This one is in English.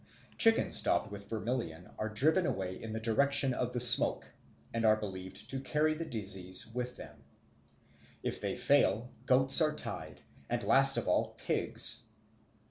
Chickens daubed with vermilion are driven away in the direction of the smoke, and are believed to carry the disease with them. If they fail, goats are tried, and last of all pigs.